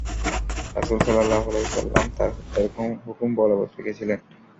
রাসূল সাল্লাল্লাহু আলাইহি ওয়াসাল্লাম তার হত্যার হুকুম বলবৎ রেখেছিলেন।